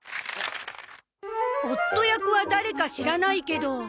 夫役は誰か知らないけど。